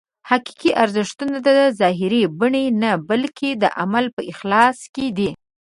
حقیقي ارزښت د ظاهري بڼې نه بلکې د عمل په اخلاص کې دی.